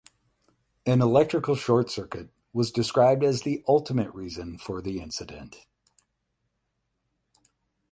An electrical short circuit was described as the ultimate reason for the incident.